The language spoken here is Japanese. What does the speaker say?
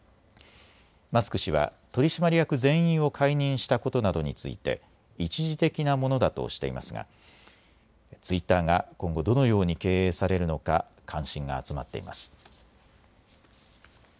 マスク氏は取締役全員を解任したことなどについて一時的なものだとしていますがツイッターが今後どのように経営されるのか関心が集まっています。